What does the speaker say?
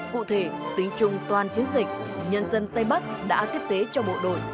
cụ thể tính chung toàn chiến dịch nhân dân tây bắc đã tiếp tế cho bộ đội